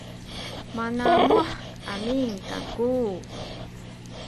manamuh amin kaku